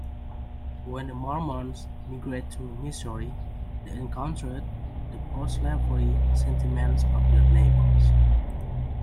When the Mormons migrated to Missouri, they encountered the pro-slavery sentiments of their neighbors.